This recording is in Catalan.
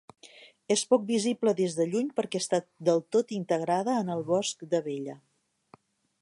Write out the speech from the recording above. És poc visible des de lluny perquè està del tot integrada en el Bosc d'Abella.